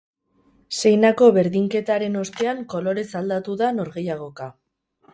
Seinako berdinketaren ostean kolorez aldatu da norgehiagoka.